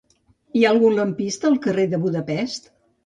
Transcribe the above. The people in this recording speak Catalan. Hi ha algun lampista al carrer de Budapest?